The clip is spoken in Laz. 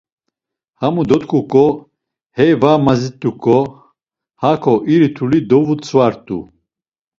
Hamu dot̆ǩuǩo hey va mazit̆uǩo, hako iri turli dovutzvart̆u.